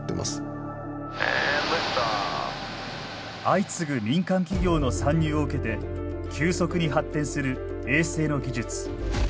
相次ぐ民間企業の参入を受けて急速に発展する衛星の技術。